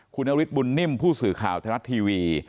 คุณอฤทธิ์บุญนิ่มผู้สื่อข่าวธนัดทีวี